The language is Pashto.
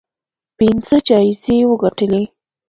پنځه جایزې وګټلې